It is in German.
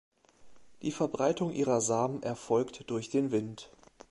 Die Verbreitung ihrer Samen erfolgt durch den Wind.